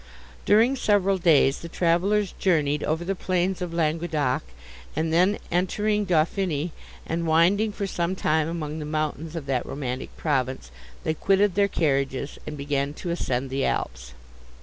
During several days the travellers journeyed over the plains of Languedoc; and then entering Dauphiny, and winding for some time among the mountains of that romantic province, they quitted their carriages and began to ascend the Alps.